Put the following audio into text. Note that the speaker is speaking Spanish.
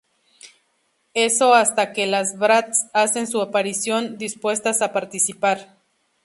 Eso hasta que las Bratz hacen su aparición, dispuestas a participar.